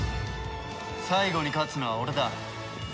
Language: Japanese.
最後に勝つのは俺だ。